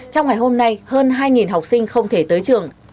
trong ngày hôm nay hơn hai học sinh không thể tới trường